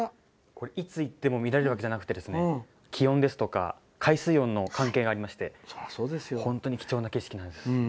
いつ行っても見られるわけではなくて気温ですとか海水温の関係がありまして本当に貴重な景色なんです。